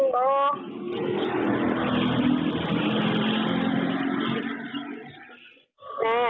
แม่ได้ยินไหม